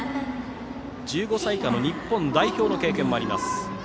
１５歳以下の日本代表経験もあります。